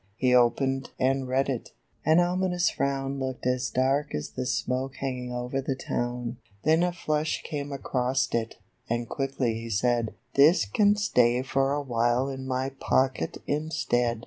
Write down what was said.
He opened and read it ; an ominous frown Looked as dark as the smoke hanging over the town ; Then a flush came across it, and quickly he said, 11 This can stay for a while in my pocket instead."